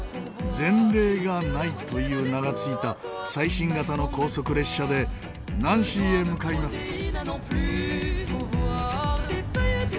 「前例がない」という名が付いた最新型の高速列車でナンシーへ向かいます。